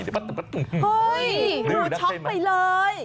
เฮ้ยเหลือช็อปไปเลย